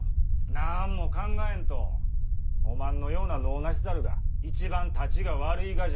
何も考えんとおまんのような能なし猿が一番タチが悪いがじゃ。